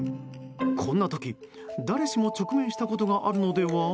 こんな時、誰しも直面したことがあるのでは？